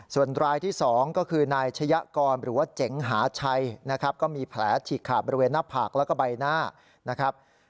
ส่วนรายที่๒ก็คือนายชะยะกรหรือว่าเจ๋งหาชัยนะครับก็มีแผลฉีกขาดบริเวณหน้าผากแล้วก็ใบหน้านะครับ